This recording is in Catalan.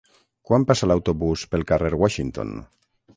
Quan passa l'autobús pel carrer Washington?